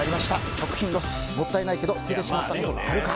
食品ロス、もったいないけど捨ててしまったことがあるか。